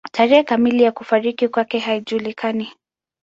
Tarehe kamili ya kufariki kwake haijulikani.